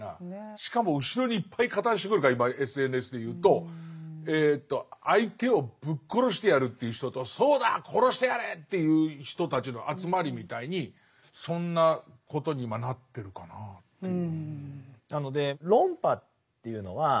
しかも後ろにいっぱい加担してくるから今ＳＮＳでいうと「相手をぶっ殺してやる」という人と「そうだ殺してやれ」っていう人たちの集まりみたいにそんなことに今なってるかなあっていう。